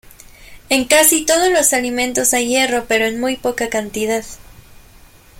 En casi todos los alimentos hay hierro pero en muy poca cantidad.